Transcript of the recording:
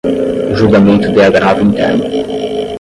o julgamento de agravo interno;